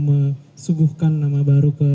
mensuguhkan nama baru ke